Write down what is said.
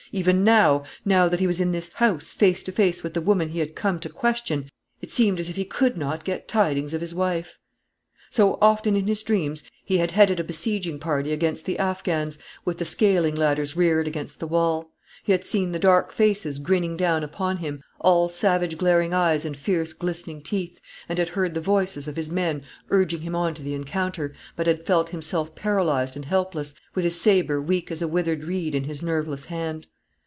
Even now, now that he was in this house, face to face with the woman he had come to question it seemed as if he could not get tidings of his wife. So, often in his dreams, he had headed a besieging party against the Affghans, with the scaling ladders reared against the wall; he had seen the dark faces grinning down upon him all savage glaring eyes and fierce glistening teeth and had heard the voices of his men urging him on to the encounter, but had felt himself paralysed and helpless, with his sabre weak as a withered reed in his nerveless hand.